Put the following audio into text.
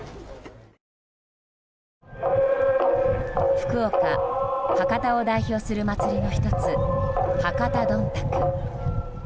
福岡・博多を代表する祭りの１つ、博多どんたく。